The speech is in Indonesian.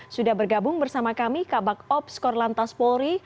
sudah bergabung bersama kami kabak ops korlantas polri